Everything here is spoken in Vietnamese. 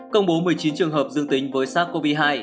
công bố một mươi chín trường hợp dương tính với sars cov hai